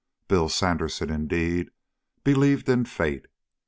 Bill Sandersen indeed, believed in fate.